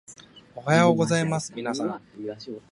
おはようございますみなさん